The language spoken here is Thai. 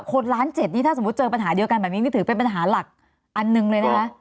คนล้านเจ็ดนี่ถ้าสมมุติเจอปัญหาเดียวกันแบบนี้นี่ถือเป็นปัญหาหลักอันหนึ่งเลยนะคะ